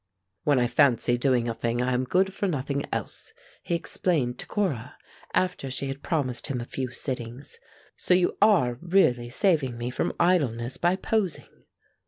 "When I fancy doing a thing I am good for nothing else," he explained to Cora, after she had promised him a few sittings. "So you are really saving me from idleness by posing."